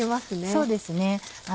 そうですね。